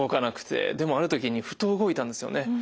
でもある時にふと動いたんですよね。